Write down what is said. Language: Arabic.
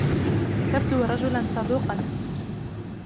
تبدو رجلًا صدوقًا.